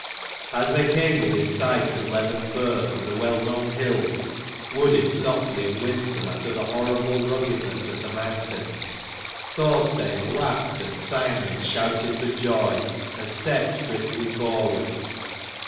As they came within sight of Leven firth and the well known hills, wooded softly and winsome after the horrible ruggedness of the mountains, Thorstein laughed and sang and shouted for joy, and stepped briskly forward.